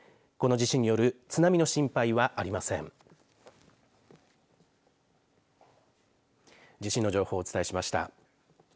地震の情報をお伝えしました。